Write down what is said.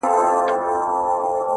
هغه ولس چي د